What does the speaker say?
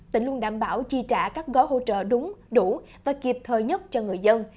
tỉnh luôn đảm bảo chi trả các gói hỗ trợ đúng đủ và kịp thời nhất cho người dân